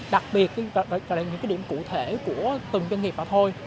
đặc biệt là những cái điểm cụ thể của từng doanh nghiệp họ thôi